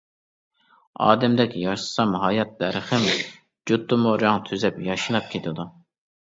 ئادەمدەك ياشىسام ھايات دەرىخىم، جۇتتىمۇ رەڭ تۈزەپ ياشناپ كېتىدۇ.